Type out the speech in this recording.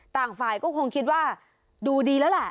ต่างฝ่ายก็คงคิดว่าดูดีแล้วแหละ